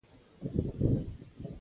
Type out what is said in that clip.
مرغومي، وزه بشپړه رودلې ده